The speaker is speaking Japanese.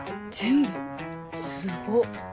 すごっ。